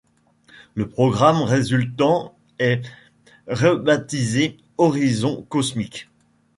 Le programme résultant est rebaptisé Horizon Cosmic.